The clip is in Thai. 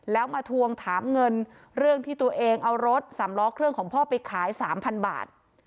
แล้วมาทวงถามเงินเรื่องที่ตัวเองเอารถสามล้อเครื่องของพ่อไปขาย๓๐๐บาท